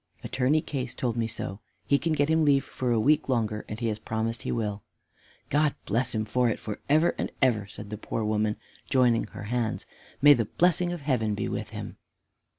"Attorney Case told me so; he can get him leave for a week longer, and he has promised he will." "God bless him for it for ever and ever!" said the poor woman, joining her hands. "May the blessing of Heaven be with him!"